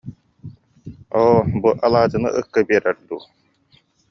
Оо, бу алаадьыны ыкка биэрэр дуу